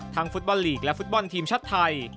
ฟุตบอลลีกและฟุตบอลทีมชาติไทย